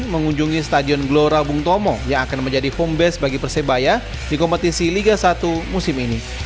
mengunjungi stadion gelora bung tomo yang akan menjadi home base bagi persebaya di kompetisi liga satu musim ini